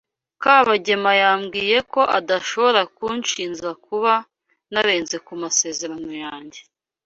Kabagema yambwiye ko adashobora kunshinja kuba narenze ku masezerano yanjye.